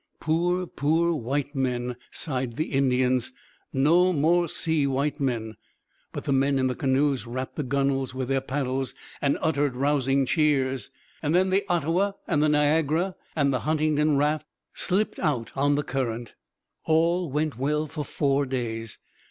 'Poor, poor white men,' sighed the Indians; 'no more see white men'; but the men in the canoes rapped the gunnels with their paddles and uttered rousing cheers. Then the Ottawa and the Niagara and the Huntingdon rafts slipped out on the current. All went well for four days.